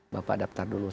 bapak daftar dulu